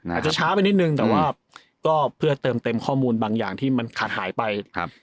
อาจจะช้าไปนิดนึงแต่ว่าก็เพื่อเติมเต็มข้อมูลบางอย่างที่มันขาดหายไป